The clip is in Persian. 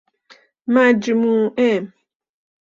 مجموعه